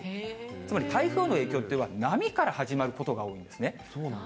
つまり台風の影響というのは、波から始まることが多いんですね。